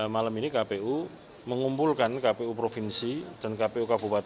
malam ini kpu mengumpulkan kpu provinsi dan kpu kabupaten